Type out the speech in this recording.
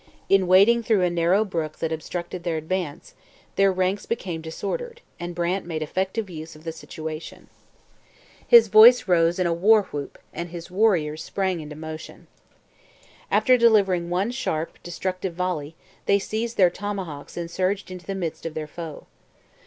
In wading through a narrow brook that obstructed their advance, their ranks became disordered, and Brant made effective use of the situation. His voice rose in a war whoop and his warriors sprang into motion. After delivering one sharp, destructive volley, they seized their tomahawks and surged into the midst of their foe.